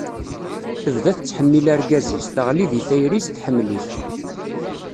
Tebda tettḥemmil argaz-is, teɣli di tayri-s, tḥemmel-it.